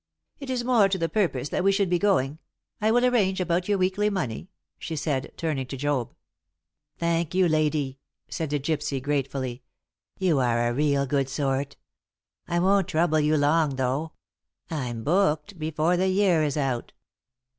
"It is more to the purpose that we should be going. I will arrange about your weekly money," she said, turning to Job. "Thank you, lady," said the gypsy, gratefully. "You are a real good sort. I won't trouble you long, though. I'm booked before the year is out."